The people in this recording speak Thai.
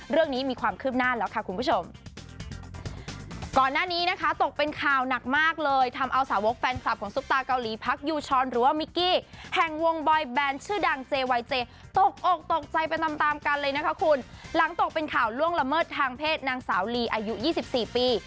เรื่องนี้มีความคืบหน้าแล้วค่ะคุณผู้ชมก่อนหน้านี้นะคะตกเป็นข่าวหนักมากเลยทำเอาสาวกแฟนคลับของซุปตาเกาหลีพักยูชอนหรือว่ามิกกี้แห่งวงบอยแบรนด์ชื่อดังเจวายเจตกอกตกใจไปตามตามกันเลยนะคะคุณหลังตกเป็นข่าวล่วงละเมิดทางเพศนางสาวลีอายุยี่สิบสี่ปี